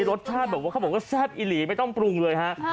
รสชาติแบบว่าเขาบอกว่าแซ่บอีหลีไม่ต้องปรุงเลยฮะ